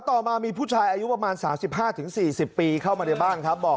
ต่อมามีผู้ชายอายุประมาณ๓๕๔๐ปีเข้ามาในบ้านครับบอก